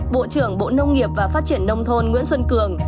bộ trưởng bộ nông nghiệp và phát triển nông thôn nguyễn xuân cường